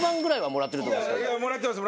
もらってます。